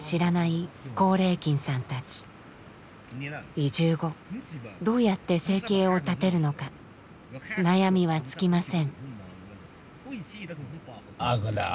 移住後どうやって生計を立てるのか悩みは尽きません。